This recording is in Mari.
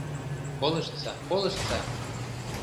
Колыштса, колыштса!